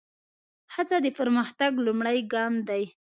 هڅه د پرمختګ لومړی ګام دی.